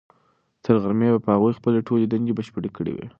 تر غرمې به هغوی خپلې ټولې دندې بشپړې کړې وي.